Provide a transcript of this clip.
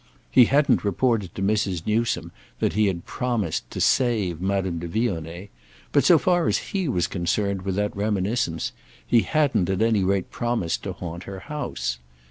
He hadn't reported to Mrs. Newsome that he had promised to "save" Madame de Vionnet; but, so far as he was concerned with that reminiscence, he hadn't at any rate promised to haunt her house.